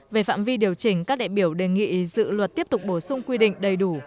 về phạm vi điều chỉnh các đại biểu đề nghị dự luật tiếp tục bổ sung quy định đầy đủ